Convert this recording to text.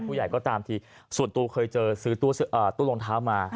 ผู้ใหญ่ก็ตามทีส่วนตัวเคยเจอซื้อตู้รองเท้ามา